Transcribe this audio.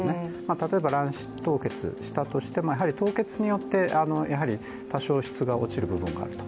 例えば卵子凍結したとしてやはり凍結によって多少、質が落ちる場合があると。